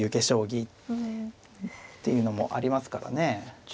将棋っていうのもありますからね。